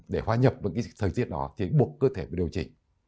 để hòa nhập với cái thời tiết đó thì bục cơ thể điều chỉnh